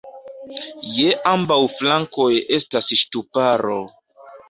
Je ambaŭ flankoj estas ŝtuparo.